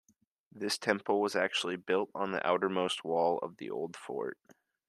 This temple was actually built on the outermost wall of the old fort.